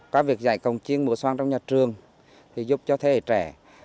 qua việc dạy cồng chiêng mối soan trong nhà trường thì giúp cho thế hệ trẻ